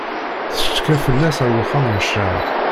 Tcetka fell-as ar wexxam n ccṛeɛ.